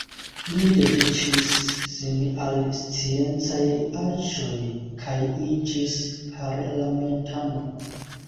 Li dediĉis sin al sciencaj aĵoj kaj iĝis parlamentano.